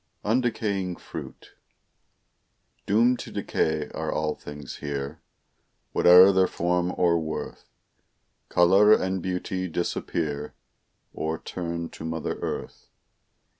UNDECAYING FRUIT Doomed to decay are all things here; Whate'er their form or worth, Color and beauty disappear, Or turn to mother earth.